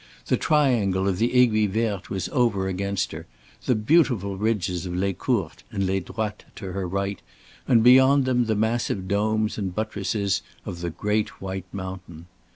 The triangle of the Aiguille Verte was over against her, the beautiful ridges of Les Courtes and Les Droites to her right and beyond them the massive domes and buttresses of the great white mountain.